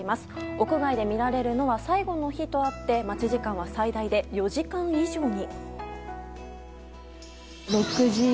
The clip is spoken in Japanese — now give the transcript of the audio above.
屋外で見られるのは最後の日とあって待ち時間は最大で４時間以上に。